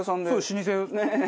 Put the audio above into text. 老舗。